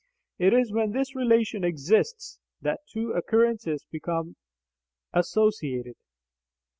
It is when this relation exists that two occurrences become associated.